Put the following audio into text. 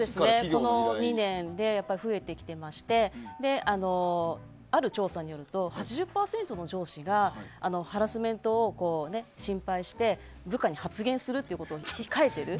この２年で増えてきていましてある調査によると８０％の上司がハラスメントを心配して部下に発言するということを控えている。